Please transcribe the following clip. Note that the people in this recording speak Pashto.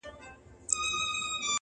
• هله بهیاره بیا له دې باغه مېوې وباسو,